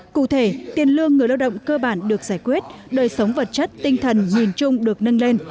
cụ thể tiền lương người lao động cơ bản được giải quyết đời sống vật chất tinh thần nhìn chung được nâng lên